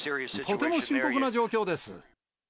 とても深刻な状況です。